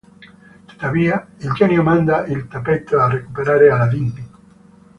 Tuttavia, il Genio manda il tappeto a recuperare Aladdin.